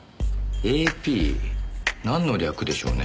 ＡＰなんの略でしょうね？